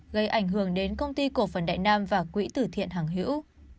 gây ảnh hưởng đến công ty cổ phần đại nam và quỹ tử thiện hàng hữu